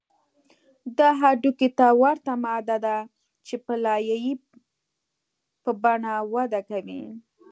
دا هډوکي ته ورته ماده ده چې په لایې په بڼه وده کوي